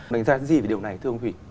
đánh giá gì về điều này thưa ông thủy